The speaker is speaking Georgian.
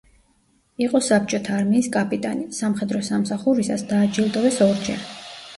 იყო საბჭოთა არმიის კაპიტანი, სამხედრო სამსახურისას დააჯილდოვეს ორჯერ.